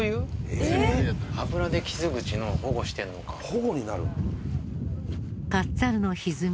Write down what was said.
「保護になる」